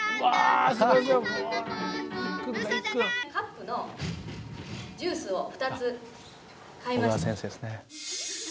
カップのジュースを２つ買いました。